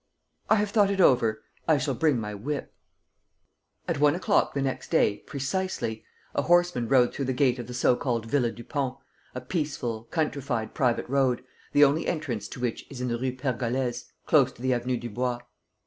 "I have thought it over. I shall bring my whip." At one o'clock the next day, precisely, a horseman rode through the gate of the so called Villa Dupont, a peaceful, countrified private road, the only entrance to which is in the Rue Pergolèse, close to the Avenue du Bois.